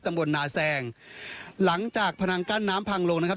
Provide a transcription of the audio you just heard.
ตำบลนาแซงหลังจากพนังกั้นน้ำพังลงนะครับ